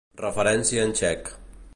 Referència en txec.